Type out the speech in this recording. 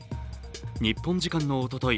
日本時間のおととい